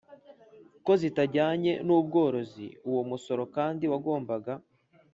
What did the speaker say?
Ko zitajyanye n ubworozi uwo musoro kandi wagombaga